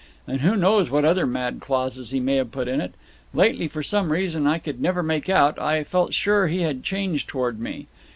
And who knows what other mad clauses he may have put in it. Lately, for some reason I could never make out, I felt sure he had changed towards me.